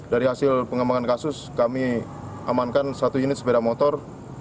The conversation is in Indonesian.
dari hasil pengembangan kasus kami amankan satu unit sepeda motor